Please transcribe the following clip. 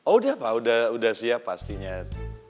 oh udah pak udah siap pastinya